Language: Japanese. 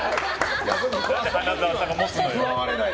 何で花澤さんが持つのよ。